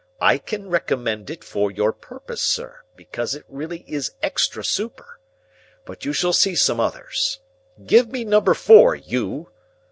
I can recommend it for your purpose, sir, because it really is extra super. But you shall see some others. Give me Number Four, you!"